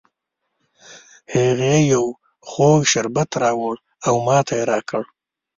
هغې یو خوږ شربت راوړ او ماته یې را کړ